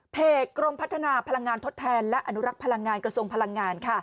กรมพัฒนาพลังงานทดแทนและอนุรักษ์พลังงานกระทรวงพลังงาน